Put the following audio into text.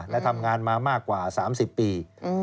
และทำงานมามากกว่า๓๐ปี